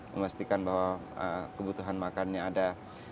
memastikan bahwa kebutuhan makannya ada